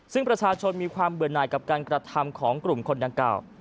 ซึ่งประชาชนมีความเบื่อหน่ายกับการกระทำของกลุ่มคนดังกล่าว